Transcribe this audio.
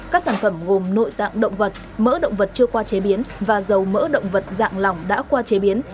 các sản phẩm gồm nội tạng động vật mỡ động vật chưa qua chế biến và dầu mỡ động vật dạng lỏng đã qua chế biến